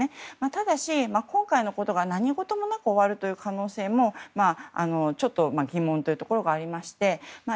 ただし、今回のことが何事もなく終わる可能性もちょっと疑問というところがありまして。